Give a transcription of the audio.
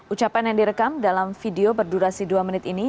ucapan yang direkam dalam video berdurasi dua menit ini